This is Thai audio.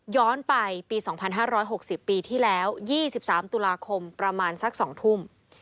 ย้อนไปปี๒๕๖๐ปีที่แล้ว๒๓ตุลาคมประมาณสัก๒ทุ่ม